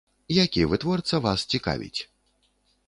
Які вытворца вас цікавіць?